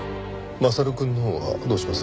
将くんのほうはどうします？